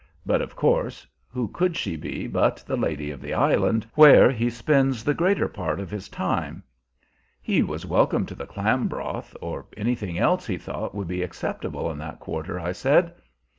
But of course who could she be but the lady of the island, where he spends the greater part of his time? He was welcome to the clam broth, or anything else he thought would be acceptable in that quarter, I said.